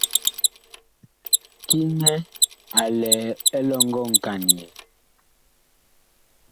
Kiŋɛ a lɛ elɔŋgɔ nkanyɛɛ.